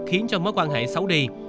khiến cho mối quan hệ xấu đi